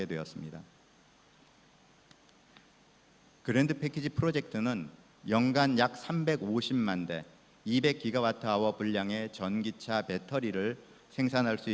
dan presiden jawa tengah